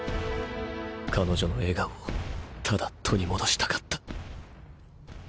彼女の笑顔をただ取り戻したかった。